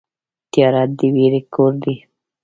تیاره د وېرې کور دی.